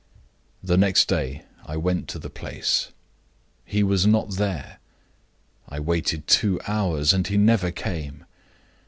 "The next day I went to the place. He was not there. I waited two hours, and he never came.